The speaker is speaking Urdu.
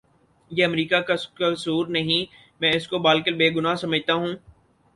یہ امریکہ کا کسور نہیں میں اس کو بالکل بے گناہ سمجھتا ہوں